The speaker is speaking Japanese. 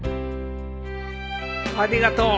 ありがとう。